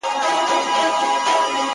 نه یې رنګ نه یې آواز چاته منلی،